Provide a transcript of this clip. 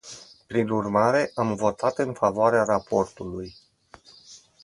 Prin urmare, am votat în favoarea raportului.